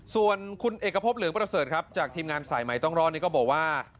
ส่วนคุณเอกพบเหลืองประเสริฐครับจากทีมงานสายใหม่ต้องรอดนี้ก็บอกว่า